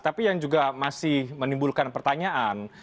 tapi yang juga masih menimbulkan pertanyaan